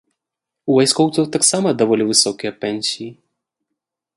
У вайскоўцаў таксама даволі высокія пенсіі.